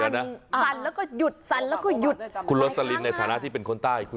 สันสันแล้วก็หยุดสันแล้วก็หยุด